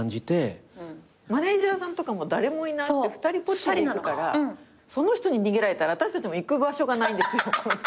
マネジャーさんとかも誰もいなくて２人ぽっちで行くからその人に逃げられたら私たちも行く場所がないんですよ。